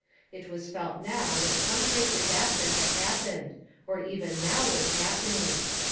It was felt now that some great disaster had happened, or even now was happening.